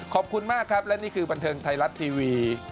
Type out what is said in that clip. ขอบคุณมากครับและนี่คือบันเทิงไทยรัฐทีวี